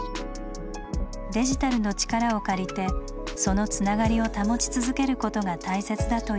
デジタルの力を借りてそのつながりを保ち続けることが大切だと言う落合さん。